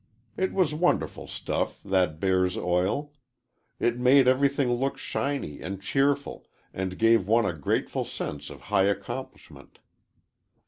It was wonderful stuff, that bear's oil. It made everything look shiny and cheerful, and gave one a grateful sense of high accomplishment.